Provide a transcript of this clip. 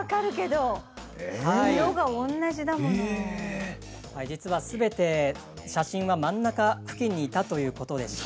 写真はすべていずれも真ん中付近にいたということでした。